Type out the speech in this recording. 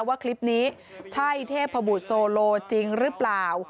ว่าคลิปนี้ใช่เทพบุตรโซโลจริงหรือเปล่า